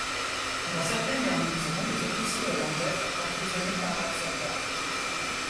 Dans certaines garnisons, les officiers hollandais furent emprisonnés par leurs soldats.